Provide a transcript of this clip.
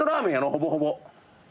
ほぼほぼ。